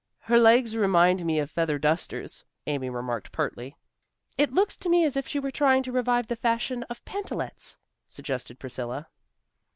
"Her legs remind me of feather dusters," Amy remarked pertly. "It looks to me as if she were trying to revive the fashion of pantalets," suggested Priscilla.